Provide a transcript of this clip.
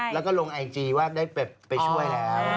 แล้วก็ลงไอจีว่าได้ไปช่วยแล้ว